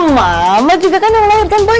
mama juga kan yang melahirkan boy